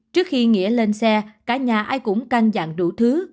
trước khi nghĩa lên xe cả nhà ai cũng căng dặn đủ thứ